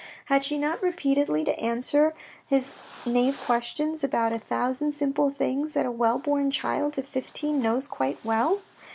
Had she not repeatedly to answer his nave questions about a thousand simple things that a well born child of fifteen knows quite well